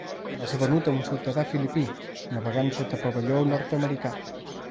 Va ser venut a un ciutadà filipí, navegant sota pavelló nord-americà.